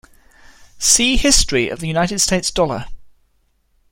See history of the United States dollar.